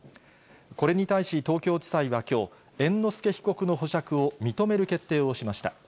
これに対し東京地裁はきょう、猿之助被告の保釈を認める決定をしました。